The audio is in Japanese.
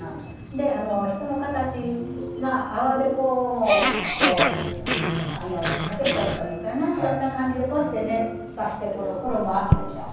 で人の形阿波木偶も掛けとるというかなそんな感じでこうしてね刺してクルクル回すでしょう。